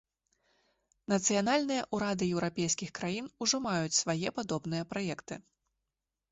Нацыянальныя ўрады еўрапейскіх краін ужо маюць свае падобныя праекты.